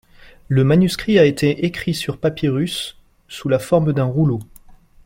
Le manuscrit a été écrit sur papyrus sous la forme d'un rouleau.